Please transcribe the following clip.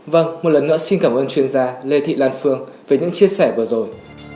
vâng một lần nữa xin cảm ơn chuyên gia lê thị lan phương về những chia sẻ vừa rồi